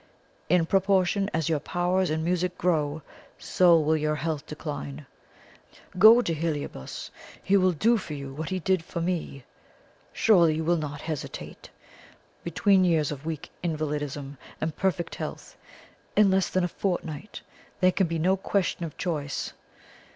In proportion as your powers in music grow, so will your health decline. Go to Heliobas; he will do for you what he did for me. Surely you will not hesitate? Between years of weak invalidism and perfect health, in less than a fortnight, there can be no question of choice."